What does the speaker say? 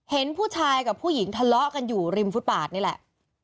เห็นผู้ชายกับผู้หญิงทะเลาะกันอยู่ริมฟุตปาดนี่แหละ